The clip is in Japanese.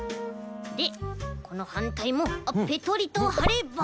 でこのはんたいもあっペトリとはれば。